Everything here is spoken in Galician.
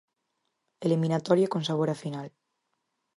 Eliminatoria con sabor a final.